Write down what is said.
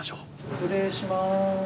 失礼します。